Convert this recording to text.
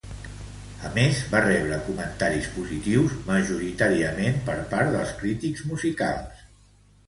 A més, va rebre comentaris positius majoritàriament per part dels crítics musicals.